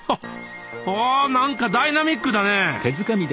あなんかダイナミックだね。